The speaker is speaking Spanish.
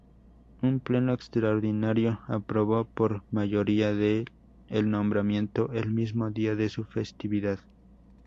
Un pleno extraordinario aprobó por mayoría el nombramiento el mismo día de su festividad.